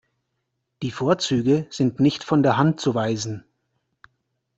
Die Vorzüge sind nicht von der Hand zu weisen.